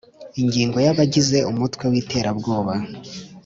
Ingingo ya abagize umutwe witerabwoba